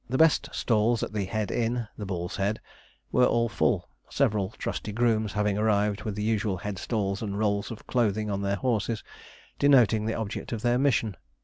The best stalls at the head inn the Bull's Head were all full, several trusty grooms having arrived with the usual head stalls and rolls of clothing on their horses, denoting the object of their mission.